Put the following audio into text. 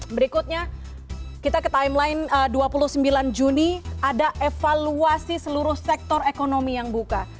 berikutnya kita ke timeline dua puluh sembilan juni ada evaluasi seluruh sektor ekonomi yang buka